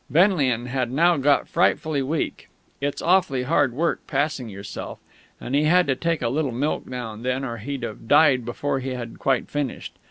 Benlian had now got frightfully weak; it's awfully hard work, passing yourself. And he had to take a little milk now and then or he'd have died before he had quite finished.